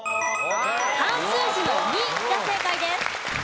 漢数字の「弐」が正解です。